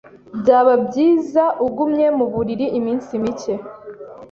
Byaba byiza ugumye mu buriri iminsi mike.